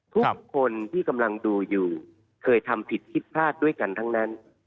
ทุกคนที่กำลังดูอยู่เคยทำผิดคิดพลาดด้วยกันทั้งนั้น